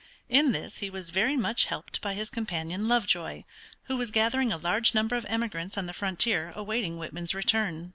In this he was very much helped by his companion Lovejoy, who was gathering a large number of emigrants on the frontier awaiting Whitman's return.